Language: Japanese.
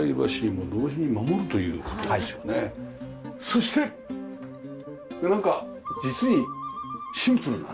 そしてなんか実にシンプルなね。